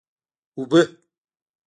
اوبه!